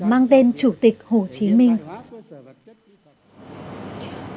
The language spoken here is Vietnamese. mang tên chủ tịch hồ chí minh